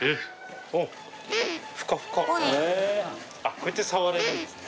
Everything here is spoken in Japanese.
こうやって触れるんですね。